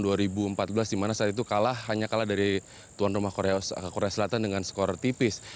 di mana saat itu kalah hanya kalah dari tuan rumah korea selatan dengan skor tipis